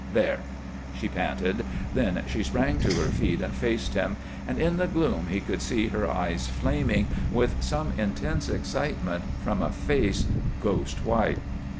There!" she panted. Then she sprang to her feet and faced him. And in the gloom he could see her eyes flaming with some intense excitement, from a face ghost white.